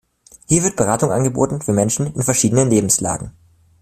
Hier wird Beratung angeboten für Menschen in verschiedenen Lebenslagen.